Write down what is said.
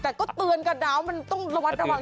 แต่ก็เตือนกันนะมันต้องระวังจริง